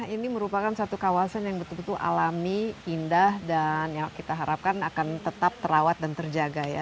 ini merupakan satu kawasan yang betul betul alami indah dan yang kita harapkan akan tetap terawat dan terjaga ya